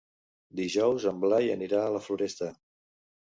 Dijous en Blai anirà a la Floresta.